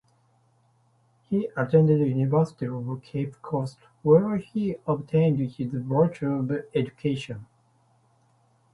He attended University of Cape Coast where he obtained his Bachelor of Education.